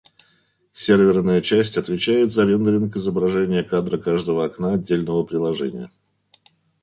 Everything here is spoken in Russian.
Серверная часть отвечает за рендеринг изображения кадра каждого окна отдельного приложения